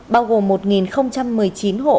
bao gồm một một mươi chín hộ